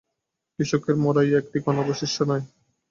কৃষকের মরাইয়ে একটি কণা অবশিষ্ট নাই।